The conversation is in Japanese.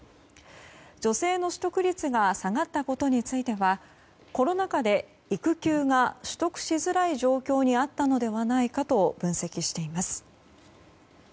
女性の取得率が下がったことについてはコロナ禍で、育休が取得しづらい状況にあったのではないかと分析しています。